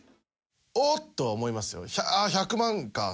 「おっ！」とは思いますよ。